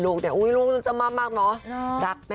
ลูกบ้านเขาจำมั่นมากนะ